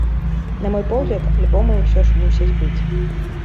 На мой погляд, альбомы ўсё ж мусяць быць.